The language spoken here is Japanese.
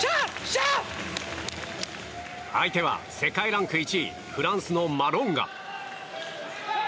相手は世界ランク１位フランスのマロンガ。